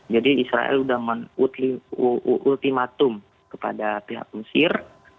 jadi israel sudah menutup ultimatum kepada pihak mesir